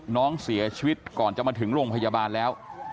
น้องเสียชีวิตก่อนจะมาถึงโรงพยาบาลแล้ว